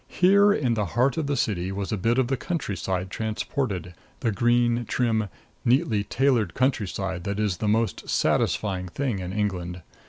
Here, in the heart of the city, was a bit of the countryside transported the green, trim, neatly tailored countryside that is the most satisfying thing in England.